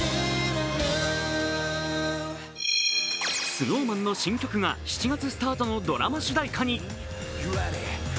ＳｎｏｗＭａｎの新曲が７月スタートのドラマ主題歌に。